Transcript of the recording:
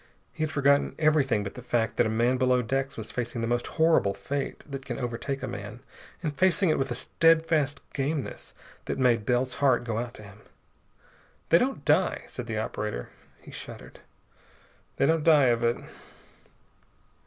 He had forgotten everything but the fact that a man below decks was facing the most horrible fate that can overtake a man, and facing it with a steadfast gameness that made Bell's heart go out to him. "They don't die," said the operator. He shuddered. "They don't die of it."